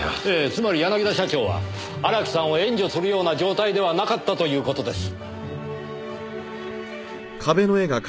つまり柳田社長は荒木さんを援助するような状態ではなかったという事です。